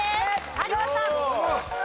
有田さん。